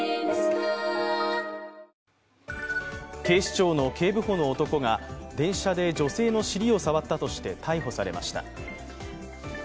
警視庁の警部補の男が電車で女性の尻を触ったとして逮捕されました。